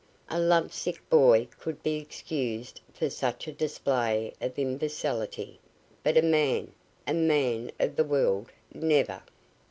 A love sick boy could be excused for such a display of imbecility, but a man a man of the world'. Never!